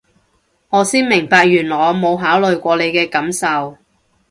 我先明白原來我冇考慮過你嘅感受